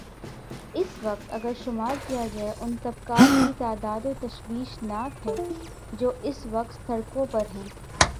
اس وقت اگر شمارکیا جائے، ان طبقات کی تعداد تشویش ناک ہے جو اس وقت سڑکوں پر ہیں۔